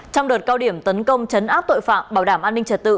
trong đợt cao điểm tấn công chấn áp tội phạm bảo đảm an ninh trật tự